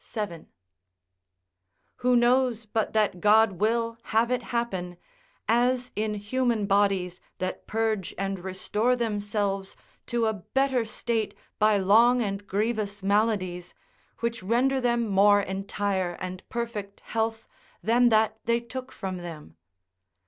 7.] Who knows but that God will have it happen, as in human bodies that purge and restore themselves to a better state by long and grievous maladies, which render them more entire and perfect health than that they took from them?